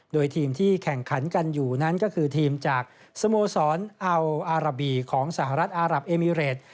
โดยทีมที่แข่งขันกันอยู่นั้นก็คือทีมจากสโมสรอัลอาราบีของสหรัฐอารับเอมิเรต